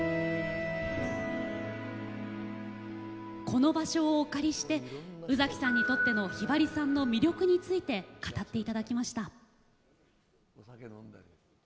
この場所をお借りして宇崎さんにとってのひばりさんの魅力について語っていただきました。